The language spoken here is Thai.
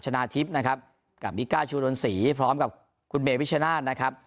ชนะทิพย์นะครับกับมิก้าชูดนศรีพร้อมกับคุณเมพิชนาธิ์นะครับ